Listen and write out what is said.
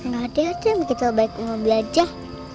gak ada aja yang begitu baik mau belajar